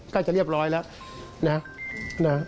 ใกล้จะเรียบร้อยแล้วนะ